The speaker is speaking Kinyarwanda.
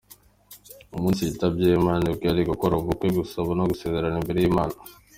Umunsi yitabyeho Imana nibwo yari gukora ubukwe; gusaba no gusezerana imbere y'Imana.